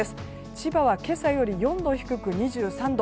千葉は今朝より４度低く２３度。